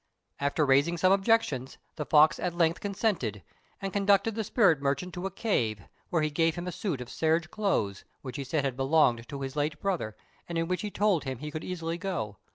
After raising some objections, the fox at length consented, and conducted the spirit merchant to a cave, where he gave him a suit of serge clothes, which he said had belonged to his late brother, and in which he told him he could easily go.